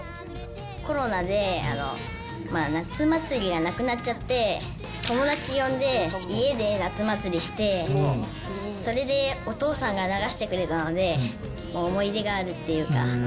コロナで夏祭りがなくなっちゃって、友達呼んで家で夏祭りして、それでお父さんが流してくれたので、思い出があるっていうか。